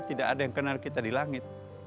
tidak ada yang kenal kita di langit